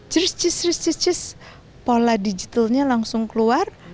cis cis cis cis cis cis pola digitalnya langsung keluar